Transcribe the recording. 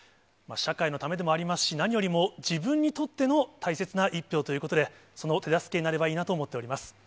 社会のためでもありますし、何よりも自分にとっての大切な１票ということで、その手助けになればいいなと思っております。